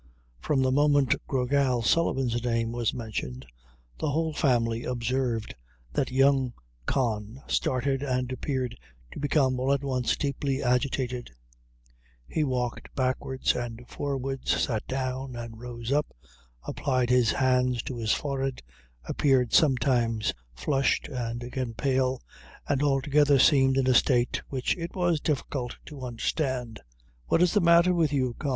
From the moment Gra Gal Sullivan's name was mentioned, the whole family observed that young Con started and appeared to become all at once deeply agitated; he walked backwards and forwards sat down and rose up applied his hands to his forehead appeared sometimes flushed, and again pale and altogether seemed in a state which it was difficult to understand. "What is the matter with you, Con?"